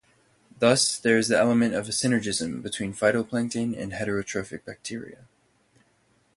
Thus there is the element of synergism between phytoplankton and heterotrophic bacteria.